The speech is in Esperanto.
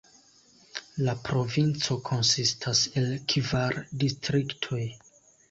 La provinco konsistas el kvar distriktoj.